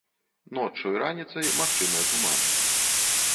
Ноччу і раніцай магчымыя туманы.